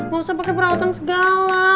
gak usah pakai perawatan segala